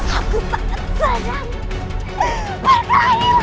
aku sangat sedang